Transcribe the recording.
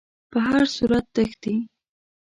په هر صورت تښتي.